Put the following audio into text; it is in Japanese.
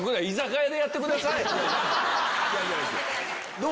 どう？